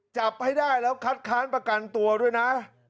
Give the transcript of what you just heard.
จับให้ได้แล้วคัดค้านประกันตัวด้วยนะ